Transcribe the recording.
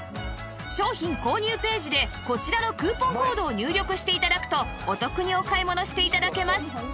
商品購入ページでこちらのクーポンコードを入力して頂くとお得にお買い物して頂けます